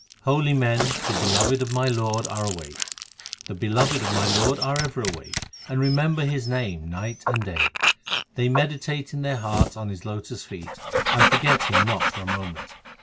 1 Holy men the beloved of my Lord are awake ; The beloved of my Lord are ever awake, and remember His name night and day. They meditate in their hearts on His lotus feet, and forget Him not for a moment.